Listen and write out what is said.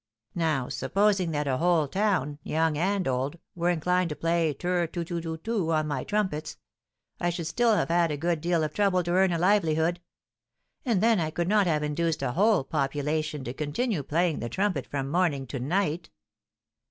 Now, supposing that a whole town, young and old, were inclined to play tur tu tu tu on my trumpets, I should still have had a good deal of trouble to earn a livelihood; and then I could not have induced a whole population to continue playing the trumpet from morning to night."